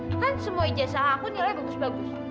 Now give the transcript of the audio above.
loh kan semua ijazah aku nilai bagus bagus